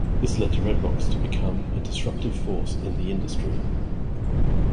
This led Redbox to become a disruptive force in the industry.